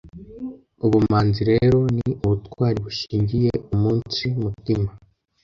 Ubumanzi rero ni ubutwari bushingiye umunsi mutima.